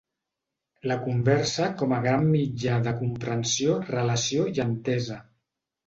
La conversa com a gran mitja de comprensió, relació i entesa.